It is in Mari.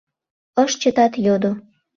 Ыш чытат, йодо: